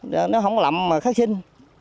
nó không lẩm mà khác sinh